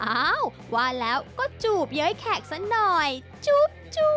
อ้าวว่าแล้วก็จูบเย้ยแขกสักหน่อยจุ๊บ